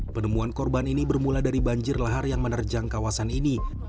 penemuan korban ini bermula dari banjir lahar yang menerjang kawasan ini